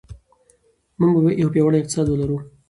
موږ به یو پیاوړی اقتصاد ولرو.